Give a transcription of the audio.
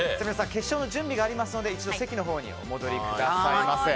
決勝の準備がありますので一度、席のほうにお戻りくださいませ。